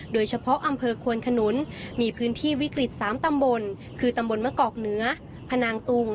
โดยเฉพาะอำเภอควนขนุนมีพื้นที่วิกฤต๓ตำบลคือตำบลมะกอกเหนือพนางตุง